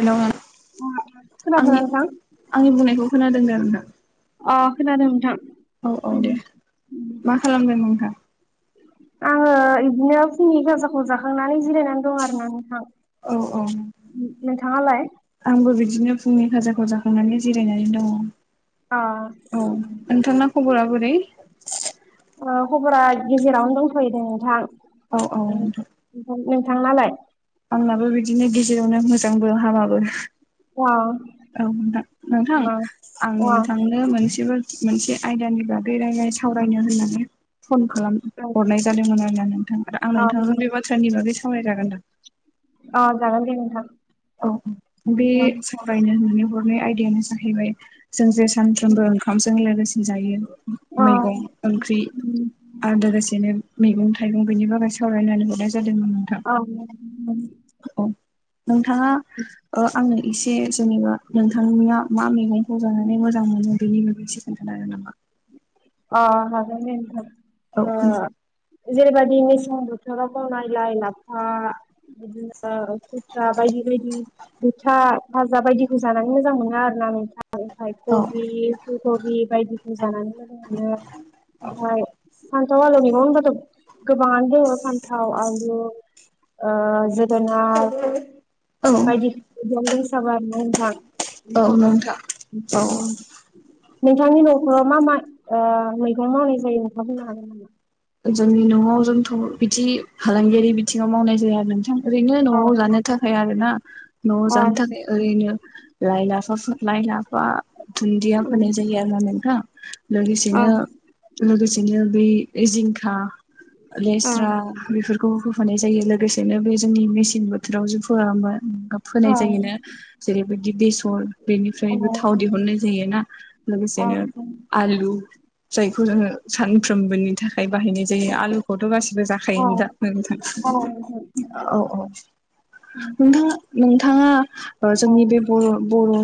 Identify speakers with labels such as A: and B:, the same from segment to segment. A: हेल'
B: खोनादोंना
A: आंनि
B: नोंथां?
A: आंनि बुंनायखौ खोनादों आरो ना
B: अ खोनादों नोंथां
A: दे। मा खालामदों नोंथां?
B: आङो इदिनो फुंनि गाजाखौ जाखांनानै जिरायनानै दं आरो ना नोंथां
A: औ औ
B: नोंथाङालाय?
A: आंबो बिदि नो फुंनि खाजाखौ जाखांनानै जिरायनानै दङ
B: अ
A: औ नोंथांना खबरा बोरै
B: ओ खबरा गेजेरावनो दंथयो नोंथां
A: औ औ
B: थांनालाय
A: आंनाबो बिदिनो गेजेरावनो मोजांबो हामाबो
B: अ
A: औ नोंथां नोंथां
B: अ
A: आं
B: अ
A: नोंथांनो मोनसेबो मोनसे आयदानि बागै रायलाय सावरायनो होननानै फन खालाम हरनाय जादोंमोन आरो ना। थां आरो आं
B: अ
A: नोंथांजों बे बाथ्रानि बागै सावरायजागोनदां
B: अ जागोन दे नोंथां।
A: औ औ बे
B: अ
A: सावरायनो होनानै हरनाय आयदायानो जाहैबाय जों जे सानफ्रोमबो ओंखामजों लोगोसे जायो
B: अ
A: मैगं ओंख्रि आदार मैगं थाइगं बेनि बागै सावरायनानै हरनाय जादोंमोन नोंथां औ नोंथाङा ओ आंनो एसे जेनेबा नोंथांनिया मा मैगं- खौ जानानै मोजां मोनो बेनि बेसे खोन्थानो आरो नामा
B: अ हागोन दे नोंथां
A: औ
B: ओ जेरैबायदि मेसें बोथोराव गायनाय लाइ लाफा बिदिनो खुथ्रा बायदि बायदि बोथा भाजा बायदिखौ जानानै मोजां मोनो आरोना नोंथां ओमफ्राय
A: औ
B: कबि फुल कबि बायदिखौ जानानै मोजां मोनो ओमफ्राय फान्थाव आलु मैगं होनबाथ' गोबाङानो दङ फान्थाव आलु ओ जोगोनार बायदि
A: औ
B: [unintelligible] नोंथां
A: औ नोंथां औ
B: [unintelligible] नोंथांनि न'खराव मा मा ओ मैगं मावनाय जायो नोंथांआ बुंनो हागोन नामा
A: जोंनि न'आव जोंथ' बिदि फालांगियारि बिथिङाव मावनाय जाया नोंथां ओरैनो न'आव
B: अ
A: जानो थाखाय आरोना न'आव जानो थाखाय ओरैनो लाय लाफोर लाय लाफा दुन्दिया फोनाय जायो आरो ना नोंथां
B: अ
A: लोगोसेनो लोगोसेनो बै जिंखा,
B: अ
A: लेस्रा बेफोरखौ होफानाय जायो लोगोसे बिदिनो बे जोंनि मेसें बोथोराव जे फोआ होनबा? फोनाय जायोना जेरैबायदि बेसर बेनिफ्रायबो थाव दिहुननाय जायोना। लोगोसेनो आलु जायखौ जोङो सानफ्रोमबोनि थाखाय बाहायनाय जायो आलुखौथ' गासिबो जाखायोनो दा नोंथां औ औ। नोंथां नोंथाङा जोंनि बे बर' बर'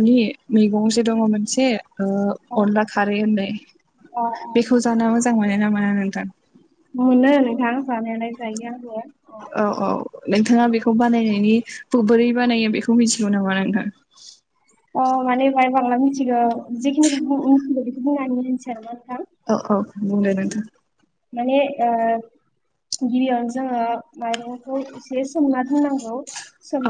A: मैगंजे दङ मोनसे अनला खारै होननाय बेखौ जानो मोजां मोनो नामा?
B: मोनो नोंथां जानायालाय जायो आरो।
A: औ औ नोंथाङा बेखौ बानायनायनि बोरै बानायो बेखौ मिथिगौ नामा नोंथां?
B: अ माने बाय बांला मिथिगौ जेखिनिखौ मिथिगौ बेखौ बुंनानै होनिसै आरोना नोंथां।
A: औ औ बुंलाय नोंथां।
B: माने ओ गिबियावनो जोङो माइरंखौ एसे सोमना दोननांगौ।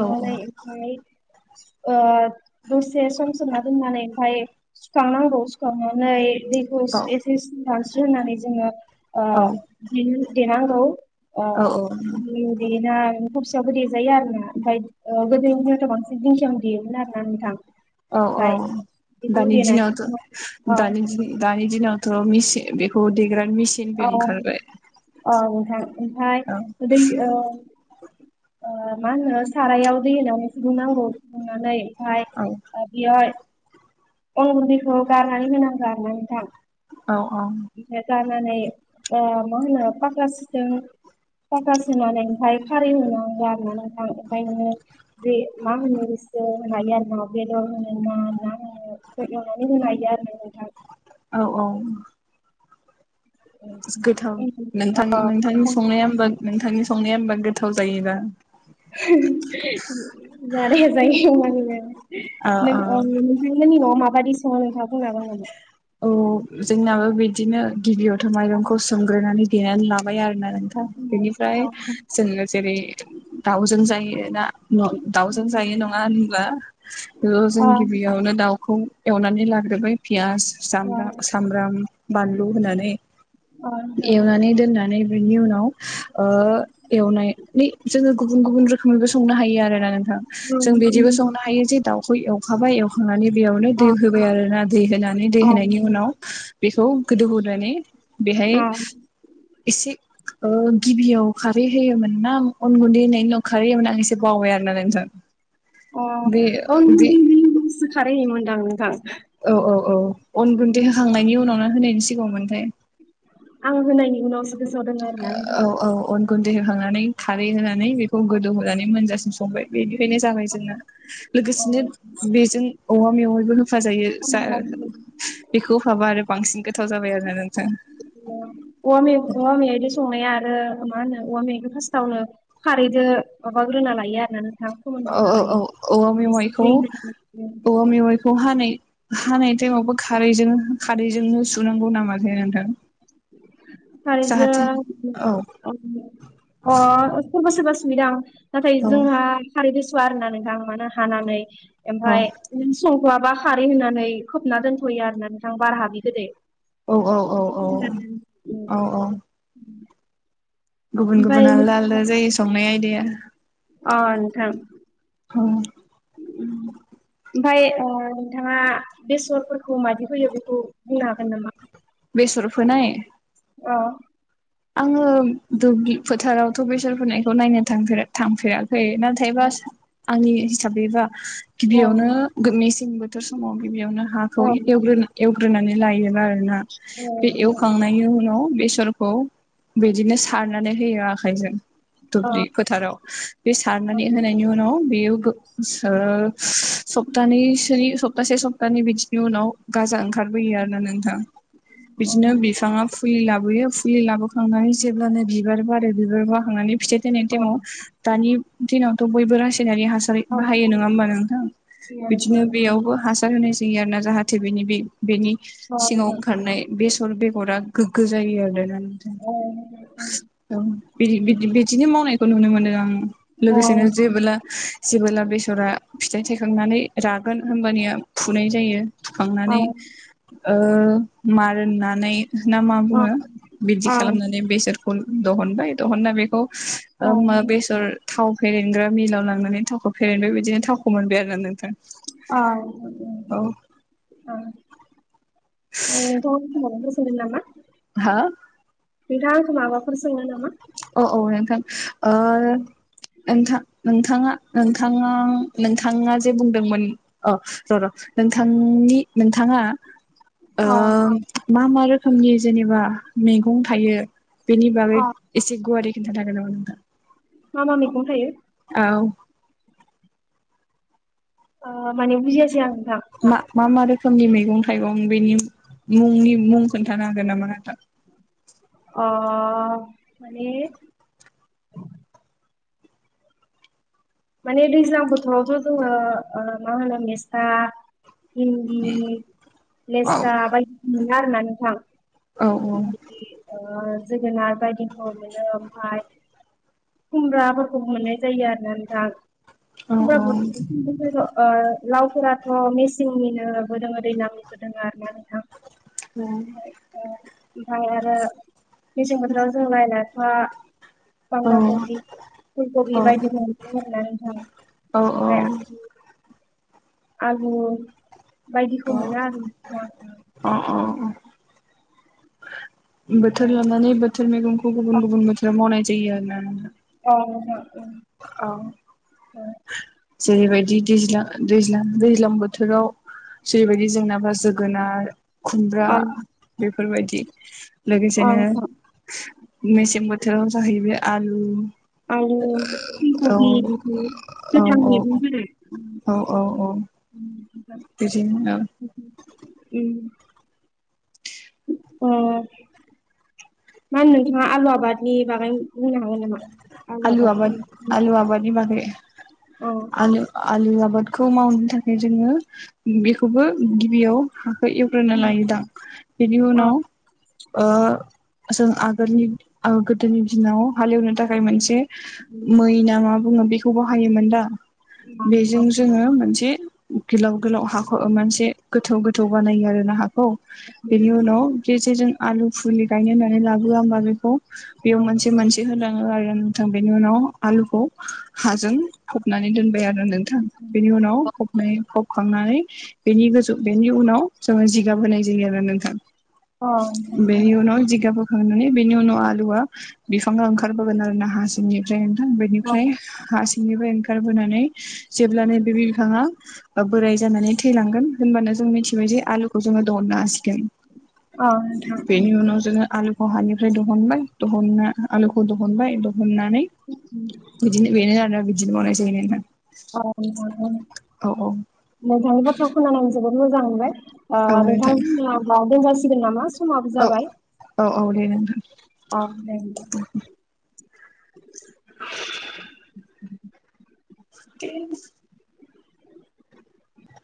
A: औ औ
B: ओमफ्राय दसे सम सोमना दोननानै ओमफाय सुखांनांगौ सुखांनानै दैखौ
A: औ
B: एसे सिदानस्रि होननानै जोङो देनांगौ। ओ
A: औ
B: देजायो आरो ना ओमफ्राय गोदोनिदिनावथ' बांसिन दिंखियावनो देयोमोन आरो ना नोंथां।
A: औ
B: ओमफाय
A: औ
B: बेखौ
A: दानि
B: देनानै
A: दिनावथ'
B: औ
A: दानि दानि दिनाव थ' मेसिन बेखौ देग्रा मेसिनबो ओंखारबाय।
B: ओमफ्राय
A: औ
B: दै ओ ओ मा होनो सारायाव दै होनानै फुदुंनांगौ फुदुंनानै
A: औ
B: [unintelligible] अन उन्दैखौ गारनानै होनांगौ आरोना नोंथां।
A: औ औ
B: होनानै ओ मा होनो [unintelligible] ओमफ्राय खारै होनांगौ आरोना नोंथां ओमफ्राय नोङो जे मा होनो होनो हायो आरोना बेदर होनोना ना होनो एवनानै होनो हायो आरो नोंथां।
A: औ औ। गोथाव नोंथां नोंथांनि संनाया होमबा नोंथांनि संनाया होमबा गोथाव जायोदा?
B: जानाया जायो [unintelligible]
A: औ
B: नों
A: औ
B: नोंथांमोननि न'आव माबायदि सङो नोंथाङा बुंना हागोन नामा?
A: औ जोंनाबो बिदिनो गिबियावथ' माइरंखौ
B: हागोन
A: सोमग्रोनानै देनानै लाबाय आरो ना। बेनिफ्राय
B: नामा?
A: जोङो जेरै दाउजों जायोना दाउजों जायो
B: अ
A: नङा होनब्ला बेयाव
B: अ
A: जों गिबियावनो दाउखौ एवनानै लाग्रोबाय पियास। सामबाम सामब्राम बानलु होनानै एवनानै दोननानै बेनि उनाव एवनानै जोङो गुबुन गुबुन रोखोमैबो संनो हायो आरोना नों थां जों बिदिबो संनो हायो जे दाउखौ एवखाबाय एवखांनानै बेयावनो दै होबाय आरोना दै होनानै दै
B: अ
A: होनायनि उनाव बेखौ गोदौहोनानै बेहाय
B: अ
A: एसे गिबियाव खारै होयोमोन ना अन गुन्दै होनाय उनाव खारै होयोमोन आं एसे बावबाय आरोना नोंथां।
B: अ
A: बे
B: अन
A: बे
B: खारै होयोमोनदां नोंथां।
A: औ औ औ अन गुन्दै होखांनायनि उनाव ना होनायनि सिगाङाव मोनथाय?
B: आं होनायनि उनावसो गोसोआव दङ आरोना
A: औ
B: नोंथां।
A: औ अन गुन्दै होखांनानै खारै होनानै बेखौ गोदौहोनानै मोनजासिम संबाय बेनिखायनो जाबाय जोंना
B: अ
A: लोगोसेनो बेजों औवा मेवाइबो होफाजायो जा बेखौ होफाबा आरो बांसिन गोथाव जाबाय आरोना नोंथां।
B: औवा मे औवा मेवायजो संनाया आरो मा होनो औवा मेवायखो फासतावनो खारैजो माबागोरना लायो आरो ना
A: औ औ औ औवा मेवाइखौ औवा मेवाइखौ हानै हानाय ताइमावबो खारैजों खारैजोंनो सुनांगौ नामाथाय नोंथां?
B: खारैजों
A: जाहाथे
B: [unintelligible]
A: औ
B: सोरबा सोरबा सुयोदां नाथाय
A: औ
B: जोंहा खारैदो सुवा आरो ना नोंथां मानो हानानै
A: औ
B: ओमफ्राय इदिनो संथआबा खारै होननानै खोबना दोनथ'यो आरो ना नोंथां बार हाबि गोदै।
A: औ औ औ। औ औ
B: [inaudible]
A: गुबुन गुबुन आलदा आलदा जायो संनाय आयदाया।
B: अ नोंथां।
A: औ।
B: उम ओमफाय ओह नोंथाङा बेसरफोरखौ मादि होयो बेखौ बुंनो हागोन नामा?
A: बेसर फोनाय?
B: औ।
A: आङो दुब्लि फोथारावथ' बेसर फोनायखौ नायनो थांफेरा थांफेरा फोयो नाथायबा सा आंनि हिसाबैबा गिबियावनो गो मेसें बोथोर समाव गिबियावनो
B: अ
A: हाखौ एवग्रोना एवग्रो ग्रोनानै लायो आरोना बे एवखांनायनि उनाव बेसरखौ बिदिनो सारनानै होयो आखाइजों।
B: अ
A: दुब्लि फोथाराव बे सारनानै होनायनि उनाव बेयो गो सोर सप्तानैसोनि सप्तासे सप्तानै बिदिनि उनाव गाजा ओंखा खारबोयो आरो ना नोंथां बिदिनो बिफाङा फुलि लाबोयो फुलि लाबो हांनानै जेब्लानो बिबार बारो बिबार बारखांनानै फिथाइ थाइनायनि टाइमाव दानि दिनावथ बयबो रास सायनारि हासार
B: अ
A: बाहायो नङा होमबा नोंथां
B: अ
A: बिदिनो
B: औ
A: बेयावबो हासार होनाय जायो आरोना। जाहाथे बेनि बे बेनि सिङाव
B: नोंथाङा समावनो
A: ओंखारनाय बेसर बेगरा गोग्गो जायो आरो। बायना नोंथां औ बिदि बिदि बिदिनो मावनायखौ नुनो मोनदों आं। लोगोसेनो जेबोला जेबोला बेसरा फिथाइ थाइखांनानै रागोन होमबानिया फुनाय जायो थुखांनानै ओह मारान नानाय नामा बुङो बिदिखो? खालामनानै बेसरखौ दहनबाय दहनना बेखौ ओह मा बेसर थाव फेरेनग्रा मिलाव लांनानै थावखौ फेरेनबाय बिदिनो थावखौ मोनबाय आरो ना नोंथां।
B: अह उम
A: औ
B: ओं। [unintelligible] नामा
A: हो?
B: नोंथाङा आंखो माबाफोर सोंनो नामा?
A: हो ओह नोंथां नोंथाङा नोंथाङा नोंथाङा जे बुंदोंमोन औ र' र' नोंथांनि नोंथाङा
B: अ
A: ओम मा मा रोखोमनि जेनेबा मैगं थायो? बेनि बागै
B: अ
A: एसे गुवारै खिन्थानो हागोन नामा नोंथां?
B: मा मा मैगं थायो?
A: औ।
B: ओह माने बुजियासै आं? नोंथां
A: मा मा मा रोख खोमनि मैगं थाइगं बेनि मुंनि मुं खोन्थानो हागोन नामा आदा?
B: अह माने माने दैज्लां बोथोरावथ' जोङो ओह मा होनो मिस्ता भिन्दि
A: औ
B: लेस्रा बायदिखौ मोनो आरो ना नोंथां
A: औ औ।
B: ओमफ्राय जोगोनार बायदिखौ मोनो ओमफाय खुमब्राफोरखौ मोननाय जायो आरो ना थां
A: औ
B: होमबाबो [unintelligible] ओ लावफोराथ' मेसिंनिनोबो दोङो दैलांनिबो दोङो आरोना नोंथां।
A: औ।
B: ओमफाय आरो मेसें बोथोराव जों लाय लाफा
A: औ
B: बान्दा कबि फुल कबि बायदिफोर [unintelligible]
A: औ
B: ओमफाय आलु बायदिखौ मोनो आरो नोंथां।
A: औ औ बोथोर लानानै बोथोर मैगंखौ गुबुन गुबुन बोथोराव मावनाय जायो आरो ना नोंथां।
B: औ।
A: औ। जेरैबायदि दैज्लां दैज्लां दैज्लां बोथोराव जेरैबायदि जोंनाबा जोगोनार खुमब्रा
B: अ
A: बेफोरबायदि
B: अ
A: लोगोसेनो मेसें बो थोराव जाहैबाय आलु।
B: आलु फुल
A: औ
B: कबि बेफोर
A: औ
B: गोथां
A: औ
B: मेगं फोरा उम।
A: औ औ औ। बिदिनो ओं।
B: उम। ओ मा होनो नोंथाङा आलु आबादनि बागै बुंनो हागोन नामा?
A: आलु आबाद आलु आबादनि बागै
B: औ
A: आलु आलु आ बादखौ मावनो थाखाय जोङो बेखौबो गिबियाव हाखौ एवग्रोना लायोदां बेनि
B: औ अ
A: उनाव ओ जों आगोलनि गोदोनि दिनाव हालेवनो थाखाय मोनसे मै ना मा बुंङो बेखौ बाहायोमोन दा बेजों
B: नोंथां
A: जोङो मोनसे गोलाव गोलाव हाखौ मोनसे गोथौ गोथौ बानायो आरो ना हा औ। बेनि उनाव गेजेजों आलु फुलि गायनो होननानै लाबोआ होमबा बेखौ
B: औ
A: बेयाव मोनसे मोनसे होलां ङो आरो नोथां बेनि उनाव आलुखौ हाजों फबनानै दोनबाय आरो नोंथां बेनि उनाव फबनाय फबखांनानै बेनि गोजौ बेनि उनाव जोङो जिगाब होनाय जायो आरो नोंथां।
B: औ
A: बेनि उनाव जिगाब होखांनानै बेनि उनाव आलुवा बिफां ओंखारबोगोन आरोना हा सिंनिफ्राय नोंथां बेनिफ्राय हा सिंनिफ्राय ओंखारबोनानै जेब्ला बे बिफाङा बोराय जानानै थैलांगोन होनबानो जों मिथिबाय जे आलुखौ जोङो दहननो हासिगोन।
B: नोंथां
A: बेनि उनाव जोङो आलु हानिफ्राय दहनबाय दहनना आलुखौ दहनबाय मोननानै बिदिनो बेनो आरोना बिदिनो मावनाय जायो नोंथां।
B: औ
A: औ
B: नोंथांनि बाथ्राखौ खोनानानै जोबोद मोजां मोनबाय। ओ
A: औ औ
B: नोंथां जोंनिया ओ दोनजा जासिगोन नामा? समाबो
A: औ
B: जाबाय
A: औ औ दे
B: अ दे। [inaudible]
A: [unintelligible]